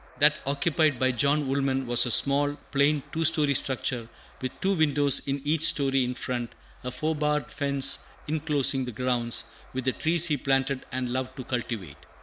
That occupied by John Woolman was a small, plain, two story structure, with two windows in each story in front, a four barred fence inclosing the grounds, with the trees he planted and loved to cultivate.